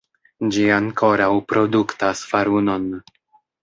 Ĝi ankoraŭ produktas farunon.